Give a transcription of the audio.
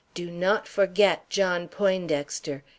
Do not forget John Poindexter!